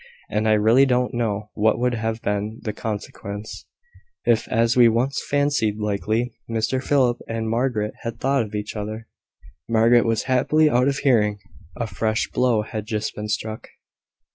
And I really don't know what would have been the consequence, if, as we once fancied likely, Mr Philip and Margaret had thought of each other." Margaret was happily out of hearing. A fresh blow had just been struck.